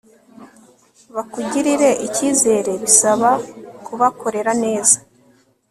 bakugirire icyizere bisaba kubakorera neza